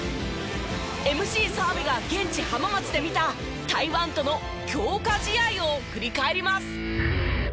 ＭＣ澤部が現地浜松で見た台湾との強化試合を振り返ります。